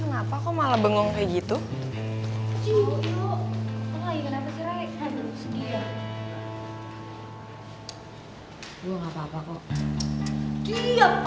asli asli kalo dia bengong lama lama nanti ke pasukan jin